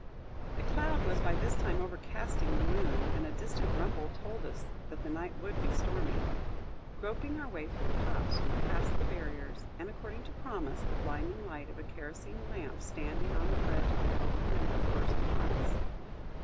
A cloud was by this time overcasting the moon, and a distant rumble told us that the night would be stormy. Groping our way through the copse, we passed the barriers, and, according to promise, the blinding light of a kerosene lamp standing on the ledge of an open window burst upon us.